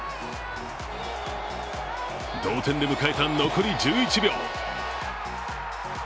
同点で迎えた残り１１秒。